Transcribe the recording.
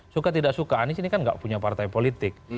suka tidak suka anies ini kan nggak punya partai politik